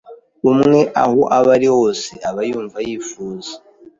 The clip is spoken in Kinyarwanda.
umwe aho aba ari hose aba yumva yifuza